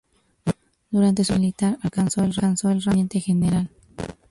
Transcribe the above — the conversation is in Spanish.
Durante su carrera militar alcanzó el rango de Teniente General.